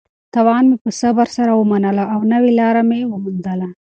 تاوان مې په صبر سره ومنلو او نوې لاره مې وموندله.